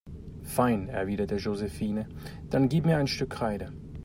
Fein, erwidert Josephine, dann gib mir ein Stück Kreide.